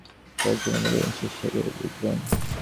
কয়েক দিনের মধ্যে নিশ্চয়ই সেরে উঠবেন।